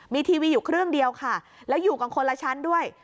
มีทีวีอยู่เครื่องเดียวค่ะแล้วอยู่กันคนละชั้นด้วย